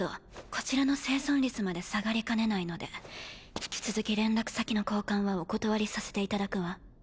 こちらの生存率まで下がりかねないので引き続き連絡先の交換はお断りさせていただくわ。